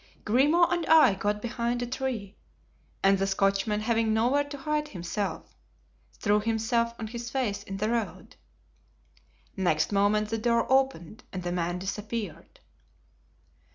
Grimaud and I got behind a tree, and the Scotchman having nowhere to hide himself, threw himself on his face in the road. Next moment the door opened and the man disappeared."